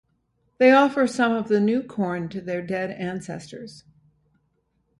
They offer some of the new corn to their dead ancestors.